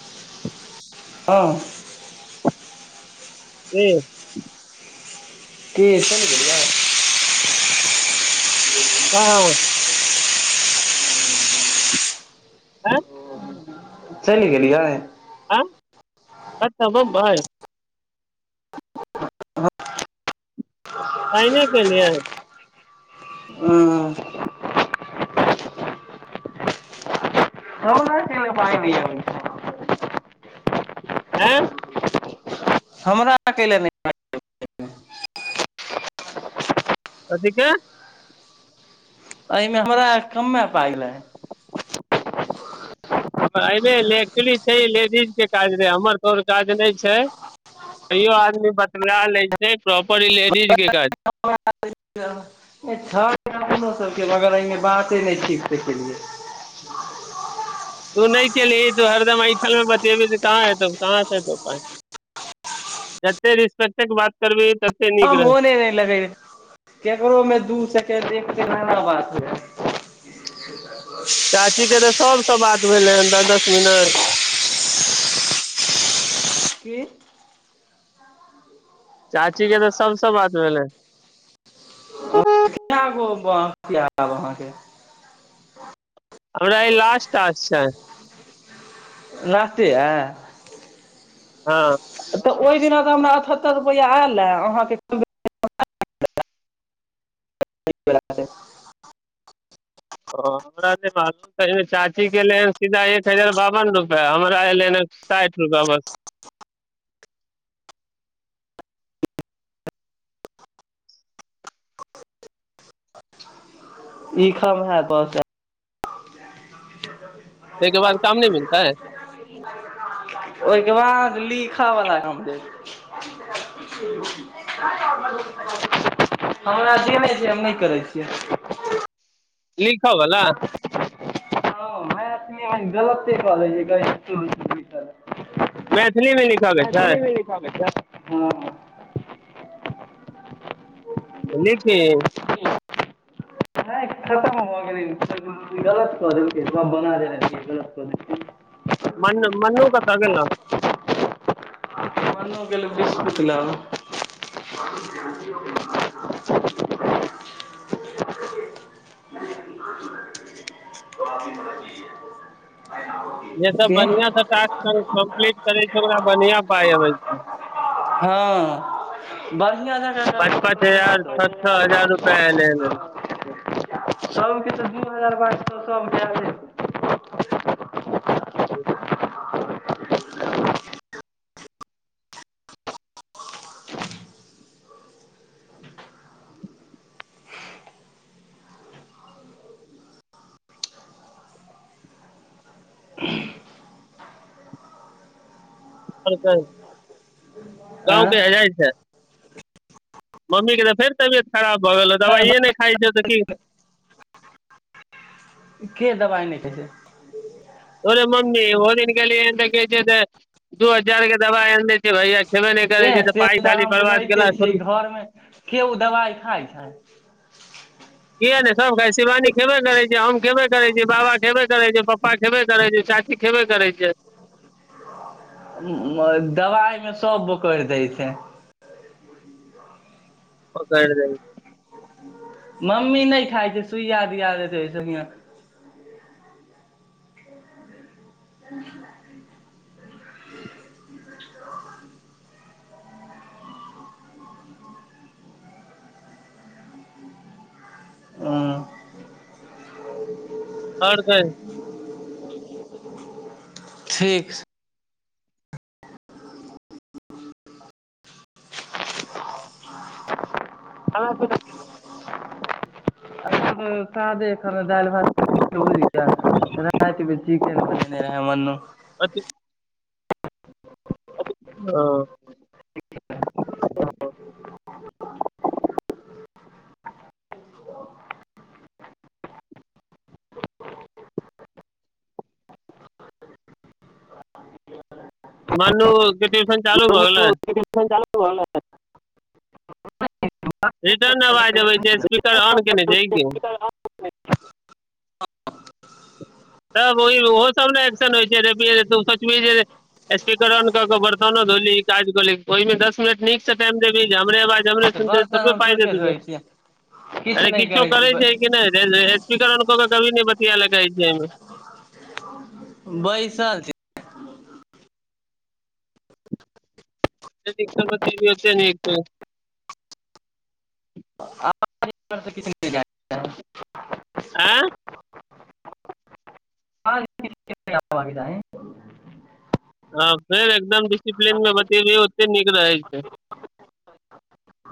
[inaudible] हँ के के से ने बढ़िआ हँ आँ चलि गेल लियै आ कतअ बम्बई साइने के लिए ह प नहि [unintelligible] आँ हमरा अकेले नइ कथिके एहिमे हमरा कमे पाय लै [inaudible] हमर एमे लेक्चुली छै लेडीजके काज रह हमर तोहार काज नहि छै कहियो आदमी बतला लै छै प्रॉपर ई लेडीज के काज सब [unintelligible] मगर एहिमे बाते नहि ठीक से केलियै तु नै केलही त हरदम आइठलमे बतियेही त कहाँ हेतौ कहाँ से हेतौ जतेक रिस्पेकटे बात करबीही त मोने नहि लगै केकरो में दू सकेंड देख के न बात ह [unintelligible] चाची के तऽ सब सं बात भेलैह दस दस मिनट की चाचीे के तऽ सभसँ बात भेलै ह [unintelligible] कब अहाँके हमरा ई लास्ट टास्क छै लास्टे ये हँ तऽ ओहि दिना तऽ हमरा अठहत्तरि रुपैआ आयल रहे अहाँके कम [inaudible] हमरा जे मालू सझिली चाचीे के एलै हन सीधा एक हजार बावन रुपआ हमरा एलै ह साठि रुपआ बस [inaudible] ईखम है पच [unintelligible] ताहिके बाद काम नहि मिलतै ओहिके बाद ली लिखै बला काम छै हमरा देने छै हम नहि करै छियै लिख बला हँ गलते क लि लै छै मैथिली मे लिखऽ के छै मैथिलीमे लिखके छै हँ लिखी नहि [inaudible] खतम भ गेलै गलत कऽ देलकै सब बना देने छियै गलत कऽ देलकै मन मनू कत गेलौ मन्नू गेल बिस्कुट लाब [inaudible] [inaudible] [inaudible] जे सब के बढ़ियांसँ टास्क कम्प्लीट करै छै ओकरा बढ़ियां पाइ अबै छै हँ बढ़िआँ जकाँ पाँच पाँच हजार छओ छओ हजार रुपआ एलै हन सभके तऽ दू हजार बाइस सौ सभ के अबि जाइ छै हठ [inaudible] [inaudible] आर कही गांव कहिया आँय जाय छै मम्मीके तऽ फेर तबियत खराब भऽ रहलौ दबाये नहि खाइ छौ तऽ की के दबाइ नहि खाय छै तोरे मम्मी ओ दिन गेलीयै त कहै छै कि दू हजार के दबा आनए दय भैया खेबे नहि करै एह छै तऽ से पाइ खाली हम बर्बाद बुझाइते केना छियै करू घरमे केओ दबाइ खाइ छै किया नए सब काम छै शिवानी खबे करै छै हम खबे करय छी बाबा खेबे करै छै प्पा पापा खेबे करै छै चा दबाइ मे सब करय दय छै बोकइर दइ मम्मी नहि खाइ छै सुइया दिया दै छै ओहिसँ हियाँ [inaudible] ह आओर कही ठीक ह से त सादे खाना दालि भात भिन्डी के भूजिया रातिमे चिकेन बनेने [unintelligible] अथी [inaudible] ह [inaudible] [inaudible] मनू के टियूसन चालू भ गेलइ [unintelligible] रिटर्न अबाज अबै छै स्पीकर ऑन केने छीही की वक्त त ओ ओ सब ने एक्शन होइ छै तु सोचबी जे स्पीकर आन क के बर्तनो धोली काज कली ओहिमे दस मिनट नीक से टाइम देबी जे हमरे ब तऽ जमरेशन के बर्तन थोरबे हम पाइ थोड़के देतो के धोइ छियै किछु अरे नहि किछो छी करै छै कि नइ स्पीकर ऑन क के कभी नहि बतिया लै कहइ छै एहिमे बैइसल छी जतेक निक स बतियेबही ओतेक नीक [unintelligible] आँ [unintelligible] आ फेर एकदम डिसिप्लीिन मे बतेयेबही ओतय नीक रहय छै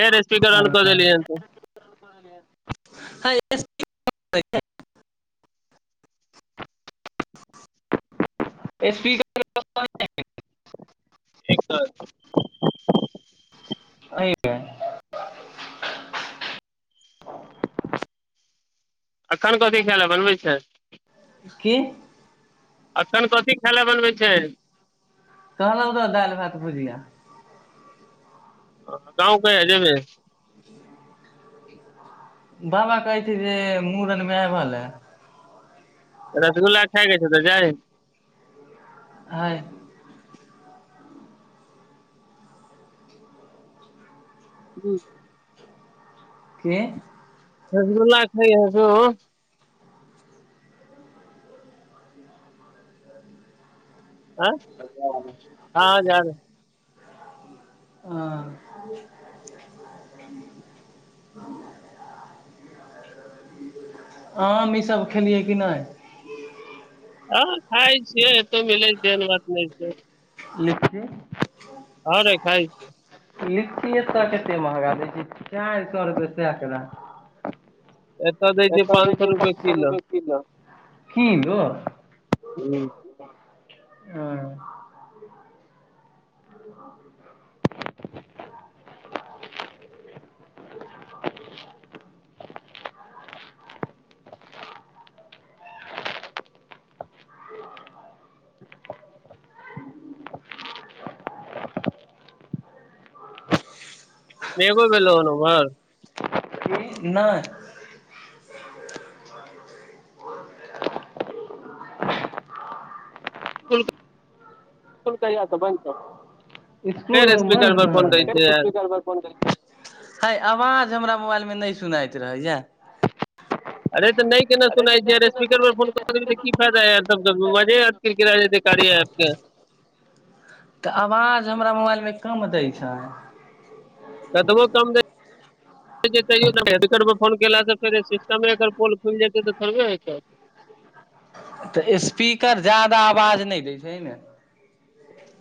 हे रे स्पीकर अन कऽ देली हन तु हइ स्पीकर ऑन नइ छै स्पीकर ऑफ कर दही ने एक त [unintelligible] अही के अखन कथी खायल बनबै छै की अखन कथी खायला बनबै छै कहलउ तऽ दालि भात भुजिया गाउँ कहिया जेबही बाबा कहै छै जे मूड़नमे आबअ लै रसगुल्ला खाय जाय छै तऽ जाइ आय ही के रसगुल्ला खाय हा सेहो आँ हँ जााद आ आम इसभ खेलियै कि नहि हँ खाय छियै एतउ मिलै छै एहन बात नहि छै लिखिए हँ रे खाय छै लीची एतऽ कते महगा दै छी चारि सए रुपए सेकड़ा एत देख छै पाँच सए रुपए किलो किलो ह्म हँ [inaudible] [inaudible] [inaudible] मेघो एलो उमहर नहि [unintelligible] स्कूल कहिया स बन्द छौ स्कूल फेर स्पीकर बन्द पर कहा फोन रहिय करै छै फेर यार स्पीकार पर फोन देलकइ हइ अवाज हमरा मोबाइल में मे नहि सुनाइत रहैया अरे तऽ नहि केना सुनाइ दिया स्पीकर पर फोन क देवही त की फायदा यार मजे किरकिरा जेतइ यार कार्य एप्प के [inaudible] तऽ आवाज हमरा मोबाइलमे कम दै छै आ [inaudible] हेडफोन पर कॉल केललँ फेर सिस्टमे अगर पोल खुलि जेतै तऽ थड़बे होेतौ [inaudible] तऽ स्पीकर जदा आवाज नहि दै छै ने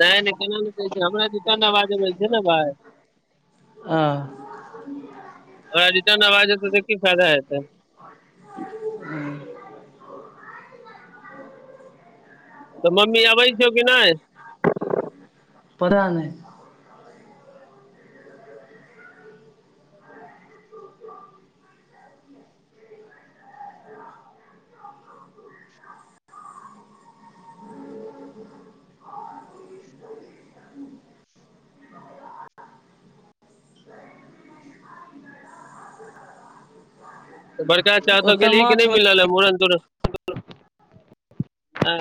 नहि नहि केना नहि कै छै हमरा रिर्टन आवाज दइ छै ने भाय [inaudible] ह अबाज रिटर्न आबाजतै तऽ की फायदा हतै तऽ मम्मी अबै छौ कि नहि पता नहि [inaudible] बड़का चा ओतअ ओतऽ गेलही कि नहि माछ मिलल लय मूड़न तूड़न हँ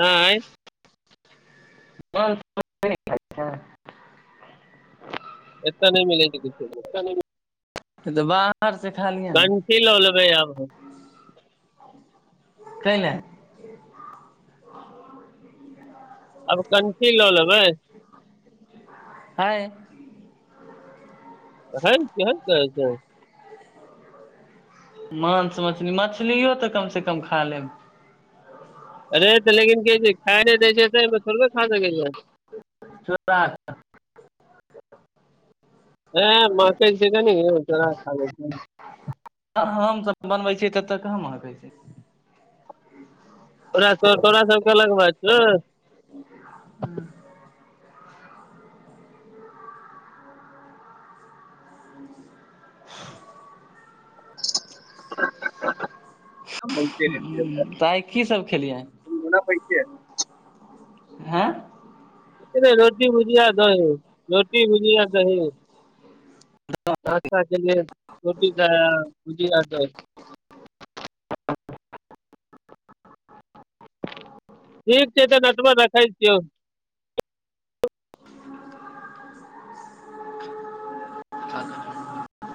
हँ आय मांस मछली नइ खाइ छै एतऽ नहि मिलै छै किछु एतऽ नइ मिलइ छै किछु त बाहर सँ खालियै ने कंठी लऽ लेबै आब हम कइलै आब कनठी लऽ लेबै हय हय की हय कहै छै माँंस मछली मछलियो तऽ कमसँ कम खा लेब अरे तऽ लेकिन कह खाय नहि दै छै थोड़बे खा सकै छै चोरा क ए महकइ कनीक यौ चौरा क खा लइ छी हम तऽ बनबै छियै ततय कहाँ महकइ छै तोरा तोरा सबके अलग बात छौ [inaudible] [inaudible] ब तऽ गना आइ की सब खेलियै पैस [unintelligible] हँ रोटी भुजिया दही रोटी भुजिया दही रास्ता के लल रोटी भुजिया द ठीक छैइ तऽ नटवर रखैइ छियौ